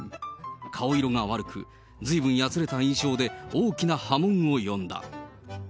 顔色が悪く、ずいぶんやつれた印象で、大きな波紋を呼んだ。